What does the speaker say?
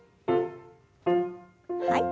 はい。